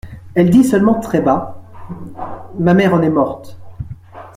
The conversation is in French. Elle dit seulement très bas : —«Ma mère en est morte.